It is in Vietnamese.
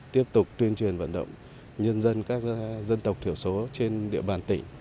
tiếp tục tuyên truyền vận động nhân dân các dân tộc thiểu số trên địa bàn tỉnh